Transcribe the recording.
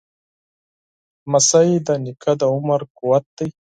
لمسی د نیکه د عمر قوت دی.